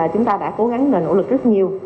chúng ta đã cố gắng và nỗ lực rất nhiều